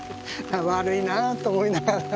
悪いなあと思いながら。